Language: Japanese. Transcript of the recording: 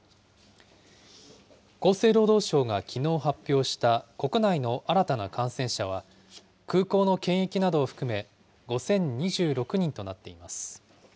厚生労働省がきのう発表した国内の新たな感染者は、空港の検疫などを含め、５０２６人となっています。